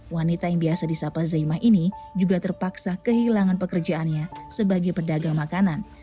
wanita yang biasa disapa zaimah ini juga terpaksa kehilangan pekerjaannya sebagai pedagang makanan